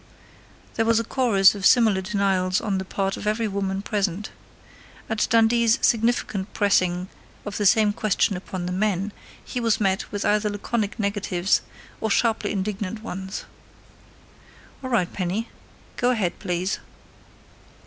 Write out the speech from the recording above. There was a chorus of similar denials on the part of every woman present. At Dundee's significant pressing of the same question upon the men, he was met with either laconic negatives or sharply indignant ones. "All right, Penny. Go ahead, please."